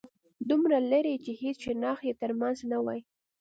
دومره لرې چې هيڅ شناخت يې تر منځ نه وای